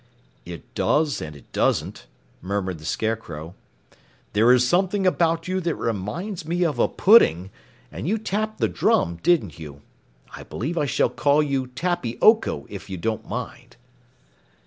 "It does and it doesn't," murmured the Scarecrow. "There is something about you that reminds me of a pudding, and you tapped the drum, didn't you? I believe I shall call you Tappy Oko, if you don't mind!"